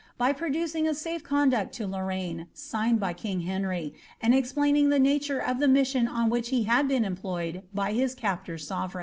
by producing a safe conduct to Lorraine, signed by king Henry, and explaining the nature of the mission on which he had been employed by his captor's sovereign.